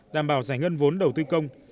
đảm bảo giải ngân vốn đầu tư công